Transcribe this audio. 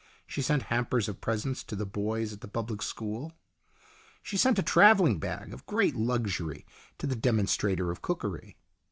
She sent hampers of presents to the boys at the public school. She sent a travelling bag of great luxury to the demon strator of cookery.